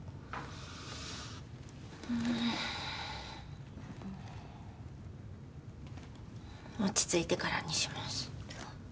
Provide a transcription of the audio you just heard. うん落ち着いてからにします